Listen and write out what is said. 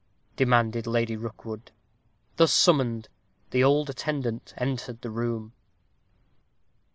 demanded Lady Rookwood. Thus summoned, the old attendant entered the room.